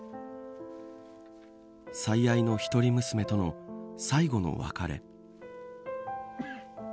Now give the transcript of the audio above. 最愛の一人娘との最後の別れ。